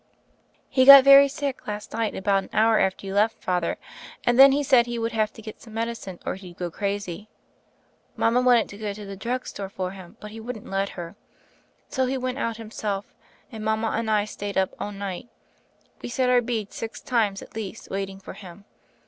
"He got very sick last night about an hour after you left, Father. And then he said he would have to get some medicine or he'd go crazy. Mama wanted to go to the drugstore ^r him, but he wouldn't let her. So he went out himself, and mama and I stayed up all night. We said our beads six times at least waiting for him.